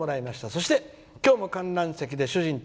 そして、今日も観覧席で主人と」。